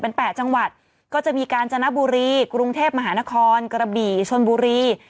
เป็น๘จังหวัดก็จะมีการจนบุรีกรุงเทพมหานครกระบี่ชนบุรี